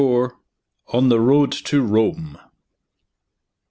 ON THE ROAD TO ROME.